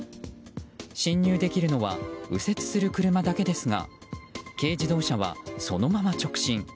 進入できるのは右折する車だけですが軽自動車はそのまま直進。